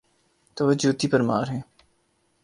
تو وہ جوتی پرمار ہیں۔